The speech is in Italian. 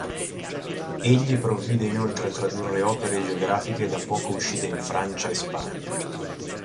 Egli provvide inoltre a tradurre opere geografiche da poco uscite in Francia e Spagna.